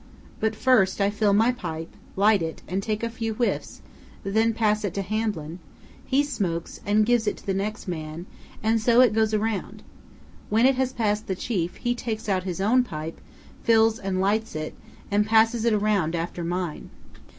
But, first, I fill my pipe, light it, and take a few whiffs, then pass it to Hamblin; he smokes, and gives it to the man next, and so it goes around. When it has passed the chief, he takes out his own pipe, fills and lights it, and passes it around after mine.